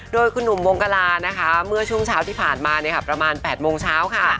โดยคุณหนุ่มวงกลานะคะเมื่อช่วงเช้าที่ผ่านมาประมาณ๘โมงเช้าค่ะ